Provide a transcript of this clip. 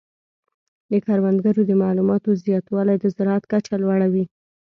د کروندګرو د معلوماتو زیاتوالی د زراعت کچه لوړه وي.